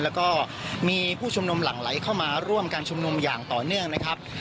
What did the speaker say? แล้วก็มีผู้ชุมนุมหลั่งไหลเข้ามาร่วมการชุมนุมอย่างต่อเนื่องนะครับ